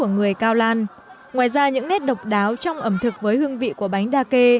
ngoài ra những nét độc đáo trong ẩm thực với hương vị của bánh đa kê